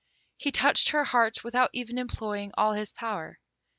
He touched her heart without even employing all his power.